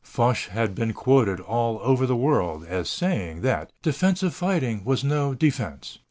Foch had been quoted all over the world as saying that "defensive fighting was no defense."